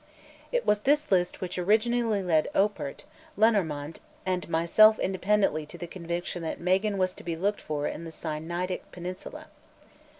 It was this list which originally led Oppert, Lenormant, and myself independently to the conviction that Magan was to be looked for in the Sinaitic Peninsula.